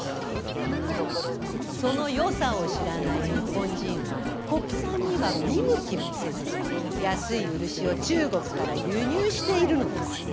ところがその良さを知らない日本人は国産には見向きもせず安い漆を中国から輸入しているのです。